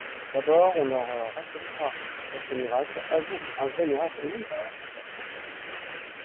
D'abord, on leur racontera votre miracle, à vous … Un vrai miracle … oui.